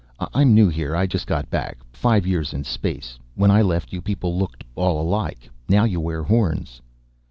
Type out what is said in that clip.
"I'm new here; I just got back. Five years in space. When I left you people looked all alike. Now you wear horns."